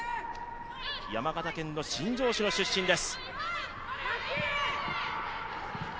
山形県新庄市の出身です。